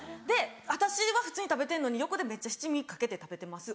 私は普通に食べてんのに横でめっちゃ七味かけて食べてます